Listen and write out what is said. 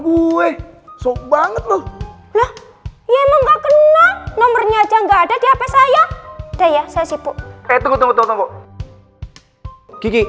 gue sok banget loh ya emang gak kenal nomornya aja nggak ada di hp saya udah ya saya sipuk